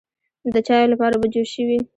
د چایو لپاره اوبه جوش شوې.